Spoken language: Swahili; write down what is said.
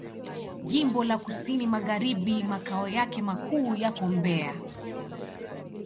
Jimbo la Kusini Magharibi Makao yake makuu yako Mbeya.